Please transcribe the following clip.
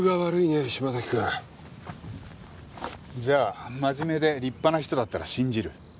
じゃあ真面目で立派な人だったら信じる？